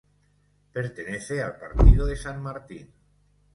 Pertenece al partido de San Martín.